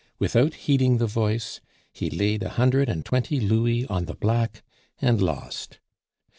Without heeding the voice, he laid a hundred and twenty louis on the black and lost.